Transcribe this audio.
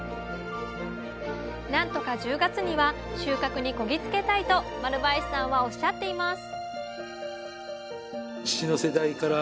何とか１０月には収穫にこぎ着けたいと丸林さんはおっしゃっています